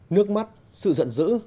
nước mắt sự giận dữ